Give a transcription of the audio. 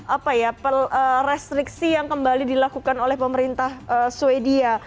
apa ya restriksi yang kembali dilakukan oleh pemerintah sweden